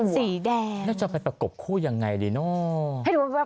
สีแดงแล้วจะไปประกบคู่ยังไงดีเนอะ